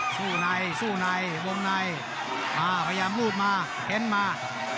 สู้ในสู้ในวงในอ่าพยายามรูปมาเค้นมา